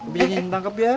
bikin tangkep ya